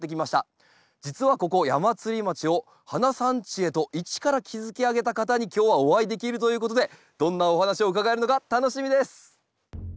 実はここ矢祭町を花産地へと一から築き上げた方に今日はお会いできるということでどんなお話を伺えるのか楽しみです。